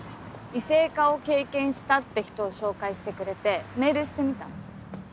異性化を経験したって人を紹介してくれてメールしてみたの。